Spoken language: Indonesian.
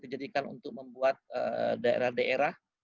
dijadikan untuk membuat daerah daerah